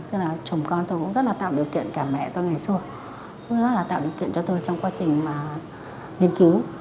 tức là chồng con tôi cũng rất là tạo điều kiện cả mẹ tôi ngày xưa cũng rất là tạo điều kiện cho tôi trong quá trình nghiên cứu